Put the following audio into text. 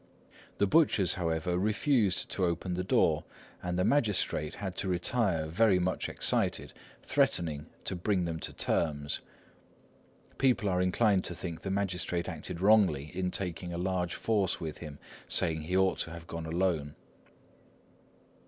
The butchers, however, refused to open the door, and the magistrate had to retire very much excited, threatening to bring them to terms. People are inclined to think the magistrate acted wrongly in taking a large force with him, saying he ought to have gone alone."